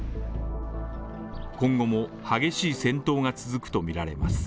今後も激しい戦闘が続くとみられます。